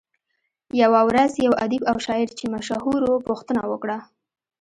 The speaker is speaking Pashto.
يوه ورځ يو ادیب او شاعر چې مشهور وو پوښتنه وکړه.